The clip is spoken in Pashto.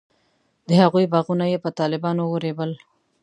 د هغوی باغونه یې په طالبانو ورېبل.